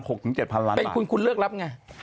หรือเป็นคุณคุณเลือกรับไง